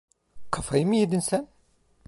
Kafayı mı yedin sen?